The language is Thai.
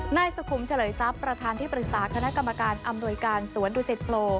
นายสุขุมเฉลยทรัพย์ประธานที่ปรึกษาคณะกรรมการอำนวยการสวนดุสิตโพ